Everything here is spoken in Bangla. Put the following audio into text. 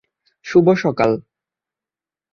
শুভ সকাল!